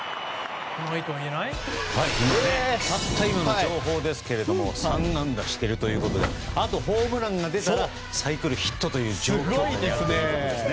たった今の情報ですが３安打しているということであと、ホームランが出たらサイクルヒットという状況ですね。